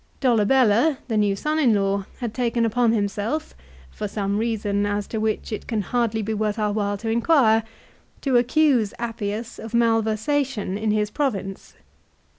Dolabella, the new son in law, had taken upon himself, for some reason as to which it can hardly be worth our while to inquire, to accuse Appius of malversation in his province.